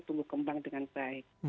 tumbuh kembang dengan baik